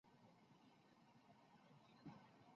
该反应的一般式如下。